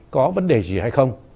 có vấn đề gì hay không